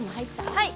はい！